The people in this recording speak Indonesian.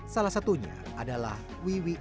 salah satunya adalah wiwi